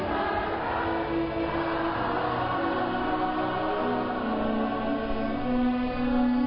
อาเมนอาเมน